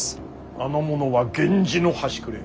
あの者は源氏の端くれ。